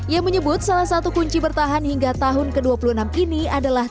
ia menyebut salah satu kunci bertahan hingga tahun ke dua puluh enam ini adalah